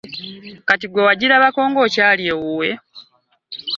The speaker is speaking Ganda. Kati ggwe wagirabako ng'okyali ewuwe?